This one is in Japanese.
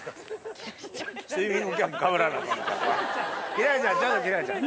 輝星ちゃんちょっと輝星ちゃん。